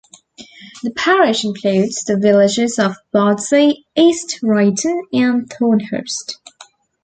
The parish includes the villages of Bardsey, East Rigton and Thornhurst.